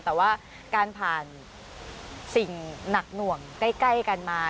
แต่ว่าการผ่านสิ่งหนักหน่วงใกล้กันมา